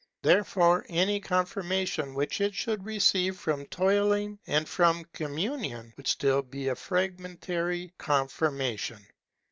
Therefore any confirmation which it should receive from toiling and from communion would still be a fragmentary confirmation.